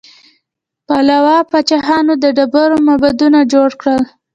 پالوا پاچاهانو د ډبرو معبدونه جوړ کړل.